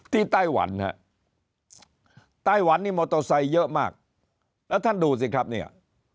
ไต้หวันฮะไต้หวันนี่มอเตอร์ไซค์เยอะมากแล้วท่านดูสิครับเนี่ย